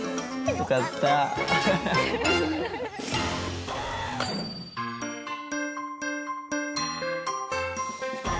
よかったね。